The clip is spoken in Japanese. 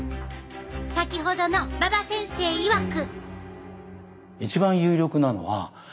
先ほどの馬場先生いわく。